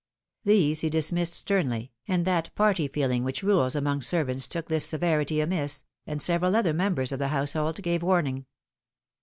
These he dismissed sternly, and that party feeling which rules among servants took this severity amiss, and several other members of the household gave warning.